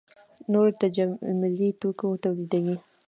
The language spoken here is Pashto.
نور تجملي توکي تولیدوي.